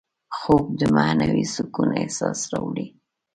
خوب د معنوي سکون احساس راولي